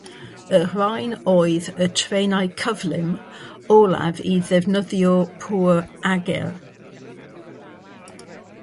Y rhain oedd y trenau "cyflym" olaf i ddefnyddio pŵer ager.